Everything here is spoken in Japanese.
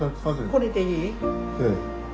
これでいい？ええ。